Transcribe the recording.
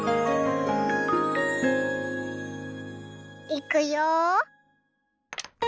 いくよ。